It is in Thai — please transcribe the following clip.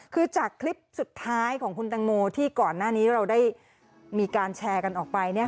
คือจากคลิปสุดท้ายของคุณตังโมที่ก่อนหน้านี้เราได้มีการแชร์กันออกไป